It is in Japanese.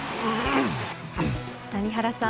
谷原さん